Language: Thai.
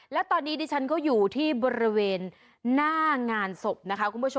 และตอนนี้ชั้นอยู่ที่บริเวณหน้างานศพ